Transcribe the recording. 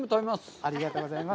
ありがとうございます。